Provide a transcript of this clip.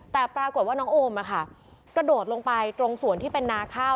แต่ปรากฏว่าน้องโอมกระโดดลงไปตรงส่วนที่เป็นนาข้าว